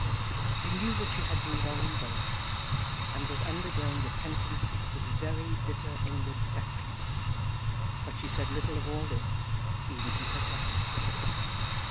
She knew that she had been wrong in both, and was undergoing repentance with very bitter inward sackcloth. But she said little of all this even to her cousin.